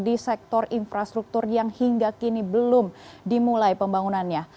di sektor infrastruktur yang hingga kini belum dimulai pembangunannya